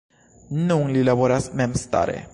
Nun li laboras memstare.